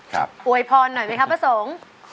ครับอวยปรณ์หน่อยไหมครับประสงค์